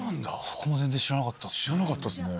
そこも全然知らなかったっす。